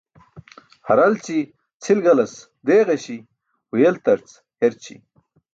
Haralci c̣ʰil galas deeġaśi̇ huyeltarc herći̇.